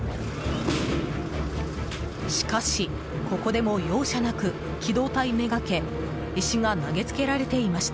しかし、ここでも容赦なく機動隊めがけ石が投げつけられていました。